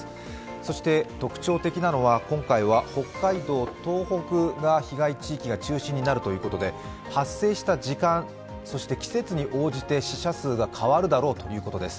そして特徴的なのは、今回は北海道・東北が被害地域の中心になるということで、発生した時間、そして季節に応じて死者数が変わるだろうということです。